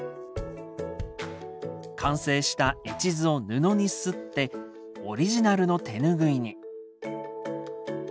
完成した絵地図を布に刷ってオリジナルの手拭いに。